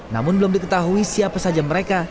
namun belum diketahui siapa saja mereka